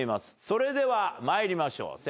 それでは参りましょう。